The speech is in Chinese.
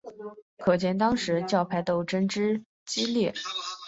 可见当时教派斗争之激烈。